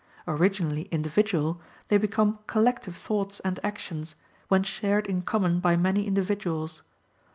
Originally individual, they become collective thoughts and actions, when shared in common by many individuals.